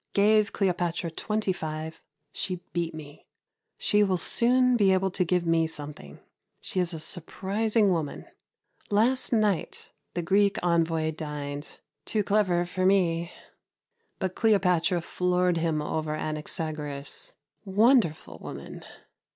Gave Cleopatra 25. She beat me. She will soon be able to give me something. She is a surprising woman. Last night the Greek envoy dined. Too clever for me, but Cleopatra floored him over Anaxagoras. Wonderful woman!